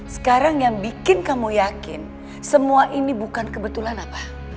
sekarang yang bikin kamu yakin semua ini bukan kebetulan apa